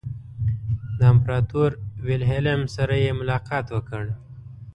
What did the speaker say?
د امپراطور ویلهلم سره یې ملاقات وکړ.